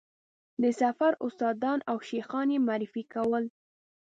د سفر استادان او شیخان یې معرفي کول.